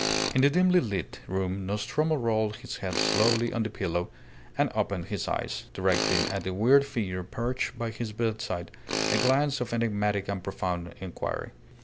In the dimly lit room Nostromo rolled his head slowly on the pillow and opened his eyes, directing at the weird figure perched by his bedside a glance of enigmatic and profound inquiry.